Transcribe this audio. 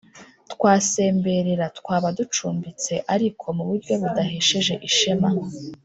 twasemberera: twaba ducumbitse ariko mu buryo budahesheje ishema.